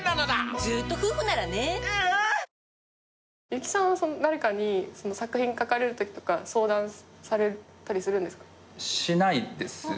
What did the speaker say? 結城さんは誰かに作品書かれるときとか相談されたりするんですか？